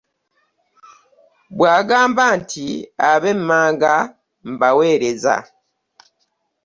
Bwagamba nti ab'emmanga mbawereza .